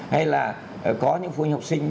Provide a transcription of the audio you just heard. hay là có những phụ huynh học sinh